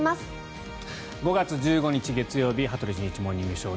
５月１５日、月曜日「羽鳥慎一モーニングショー」。